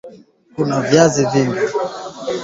kuna viazi lishe vya aina mbali mbali